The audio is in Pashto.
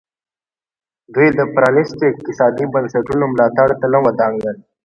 دوی د پرانیستو اقتصادي بنسټونو ملاتړ ته نه ودانګل.